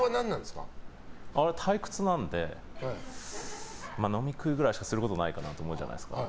退屈なので飲み食いぐらいしかすることないと思うじゃないですか。